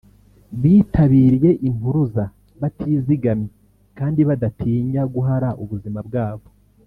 bitabiriye impuruza batizigamye kandi badatinya guhara ubuzima bwabo